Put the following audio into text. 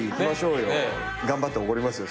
頑張っておごりますよ